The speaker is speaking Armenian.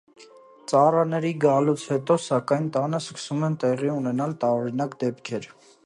Ծառաների գալուց հետո սակայն տանը սկսում են տեղի ունենալ տարօրինակ դեպքեր։